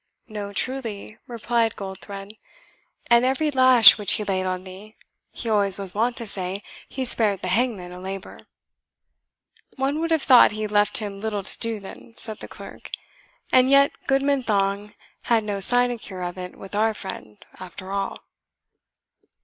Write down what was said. "No, truly," replied Goldthred; "and every lash which he laid on thee, he always was wont to say, he spared the hangman a labour." "One would have thought he left him little to do then," said the clerk; "and yet Goodman Thong had no sinecure of it with our friend, after all."